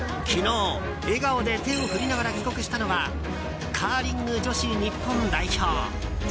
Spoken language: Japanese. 昨日、笑顔で手を振りながら帰国したのはカーリング女子日本代表。